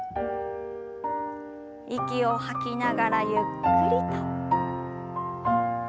息を吐きながらゆっくりと。